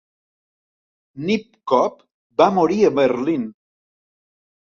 Nipkow va morir a Berlín.